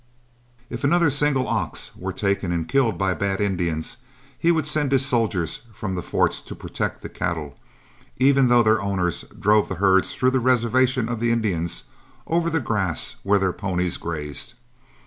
If another single ox were taken and killed by bad Indians, he would send his soldiers from the forts to protect the cattle, even though their owners drove the herds through the reservation of the Indians over the grass where their ponies grazed.